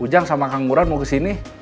ujang sama kang murad mau kesini